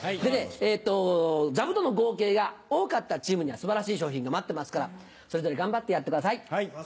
でね座布団の合計が多かったチームには素晴らしい賞品が待ってますからそれぞれ頑張ってやってください。